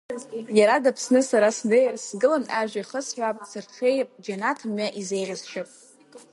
Иара дыԥсны сара снеир, сгылан ажәа ихысҳәаап, дсырҽеип, џьанаҭ мҩа изеӷьасшьап…